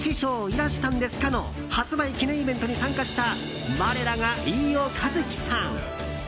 いらしたんですか」の発売記念イベントに参加した我らが飯尾和樹さん。